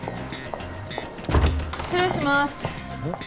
失礼します。